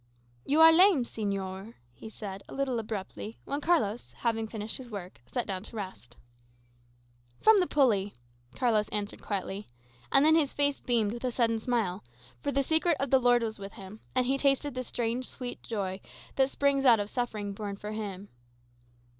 "You are lame, señor," he said, a little abruptly, when Carlos, having finished his work, sat down to rest. "From the pulley," Carlos answered quietly; and then his face beamed with a sudden smile, for the secret of the Lord was with him, and he tasted the sweet, strange joy that springs out of suffering borne for Him.